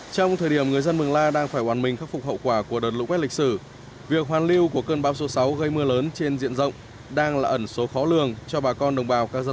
trong thời điểm người dân mường la đang phải oàn mình khắc phục hậu quả của đợt lũ quét lịch sử việc hoàn lưu của cơn bão số sáu gây mưa lớn trên diện rộng đang là ẩn số khó lường cho bà con đồng bào các dân tộc